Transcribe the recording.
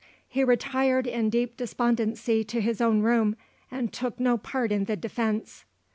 He retired in deep despondency to his own room, and took no part in the defence.